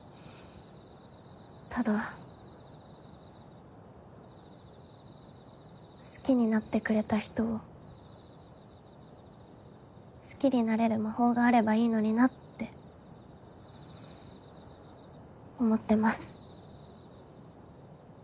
ただ好きになってくれた人を好きになれる魔法があればいいのになって思ってます。